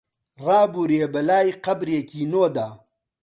ڕابوورێ بەلای قەبرێکی نۆدا